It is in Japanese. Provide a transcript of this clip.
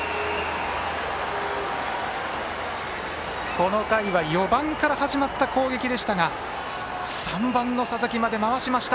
この回は４番から始まった攻撃でしたが３番の佐々木まで回しました。